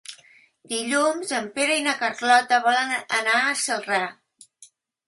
Dilluns en Pere i na Carlota volen anar a Celrà.